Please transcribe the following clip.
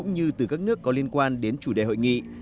như từ các nước có liên quan đến chủ đề hội nghị